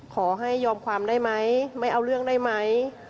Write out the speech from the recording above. ขอให้ยอมความได้ไหมไม่เอาเรื่องได้ไหม